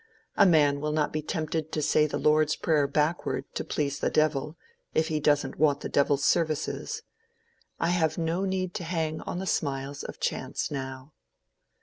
A man will not be tempted to say the Lord's Prayer backward to please the devil, if he doesn't want the devil's services. I have no need to hang on the smiles of chance now."